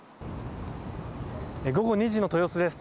午後２時の豊洲です。